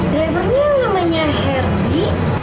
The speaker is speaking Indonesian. drivernya namanya herdy